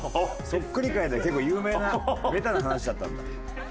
そっくり界では結構有名なベタな話だったんだ。